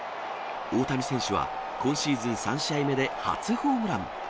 大谷選手は今シーズン３試合目で初ホームラン。